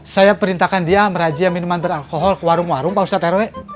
saya perintahkan dia merajia minuman beralkohol ke warung warung pak ustadz rw